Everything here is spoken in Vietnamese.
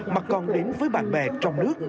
mà còn đến với bạn bè trong nước